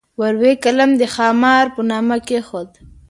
ور وې قلم د خامار په نامه کېښود.